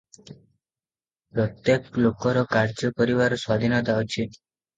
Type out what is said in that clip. ପ୍ରତ୍ୟେକ ଲୋକର କାର୍ଯ୍ୟ କରିବାର ସ୍ୱାଧୀନତା ଅଛି ।